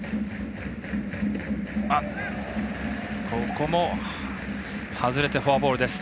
ここも外れてフォアボールです。